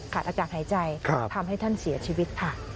อากาศหายใจทำให้ท่านเสียชีวิตค่ะ